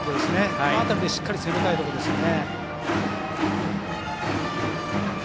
この辺りで、しっかりと攻めたいところですよね。